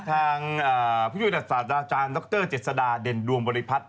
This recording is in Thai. ทางผู้ช่วยอุดสรรค์อาจารย์ดรเจ็ดสดาเด็นดวงบริพัทย์